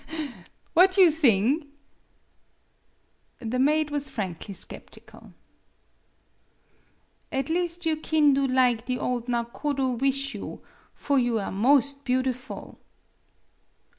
Aha, ha, ha! What you thing ?" The maid was frankly skeptical. " At least you kin do lig the old nakodo wish you for you are most beautiful."